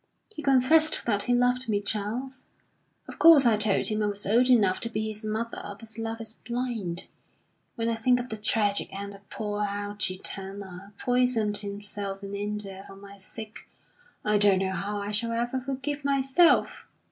_ He confessed that he loved me, Charles. Of course, I told him I was old enough to be his mother; but love is blind. When I think of the tragic end of poor Algy Turner, who poisoned himself in India for my sake, I don't know how I shall ever forgive myself.